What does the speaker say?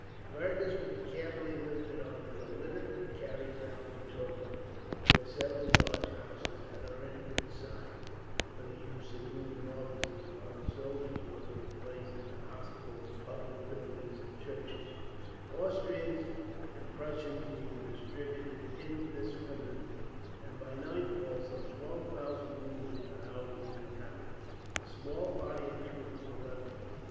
Fergus was carefully lifted onto the litter, and carried down to Torgau; where several large houses had already been assigned for the use of wounded officers, while the soldiers were to be placed in the hospitals, public buildings, and churches, Austrians and Prussians being distributed indiscriminately; and by nightfall some twelve thousand wounded were housed in the town. A small body of troops was left there.